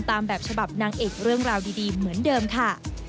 ตามแบบฉบับนางเอกเรื่องราวดีเหมือนเดิมค่ะ